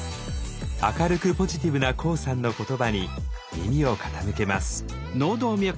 明るくポジティブなＫＯＯさんの言葉に耳を傾けます。